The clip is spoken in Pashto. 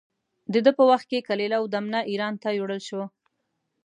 د ده په وخت کې کلیله و دمنه اېران ته یووړل شوه.